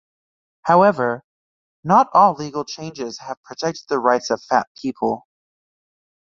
However, not all legal changes have protected the rights of fat people.